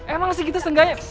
emang segitu setengahnya